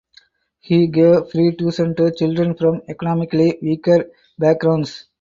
He gave free tuition to children from economically weaker backgrounds.